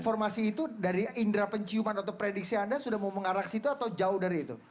informasi itu dari indera penciuman atau prediksi anda sudah mau mengarah ke situ atau jauh dari itu